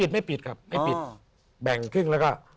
ไม่ปิดครับไม่ปิดแบ่งครึ่งแล้วก็